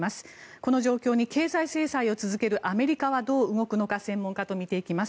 この状況に経済制裁を続けるアメリカはどう動くのか専門家と見て行きます。